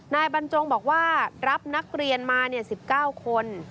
นายบรรจงบอกว่ารับนักเรียนมา๑๙คน